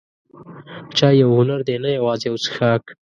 چای یو هنر دی، نه یوازې یو څښاک.